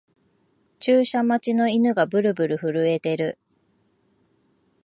注射待ちの犬がブルブル震えてる